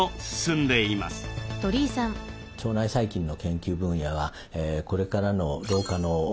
腸内細菌の研究分野はこれからの老化の防止